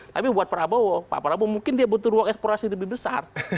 jadi kalau pak prabowo pak prabowo mungkin dia butuh ruang eksplorasi lebih besar